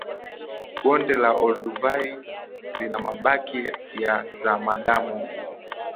bonde la olduvai lina mabaki ya zamadamu